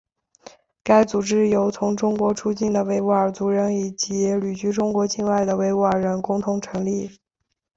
该组织由从中国出境的维吾尔族人以及旅居中国境外的维吾尔人共同成立。